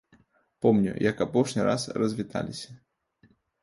Помню, як апошні раз развіталіся.